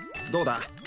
どうだ？